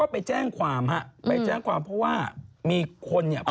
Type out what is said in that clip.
ไปแจ้งความเพราะว่ามีคนเนี่ยไปปล่อยว่า